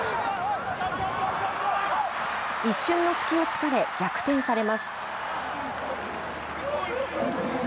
一瞬の隙を突かれ、逆転されます。